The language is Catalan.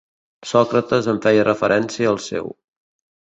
Sòcrates en feia referència al seu.